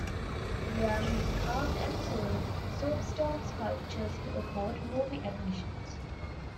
There he carved and sold soapstone sculptures to afford movie admissions.